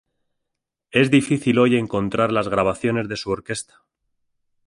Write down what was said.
Es difícil hoy encontrar las grabaciones de su orquesta.